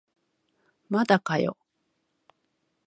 まだかよ